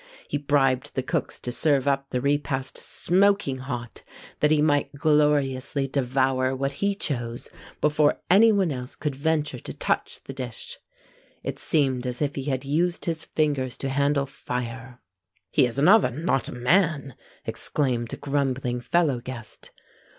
He bribed the cooks to serve up the repast smoking hot, that he might gloriously devour what he chose before any one else could venture to touch the dish. It seemed as if he had used his fingers to handle fire. "He is an oven, not a man!" exclaimed a grumbling fellow guest.